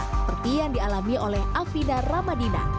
seperti yang dialami oleh afida ramadina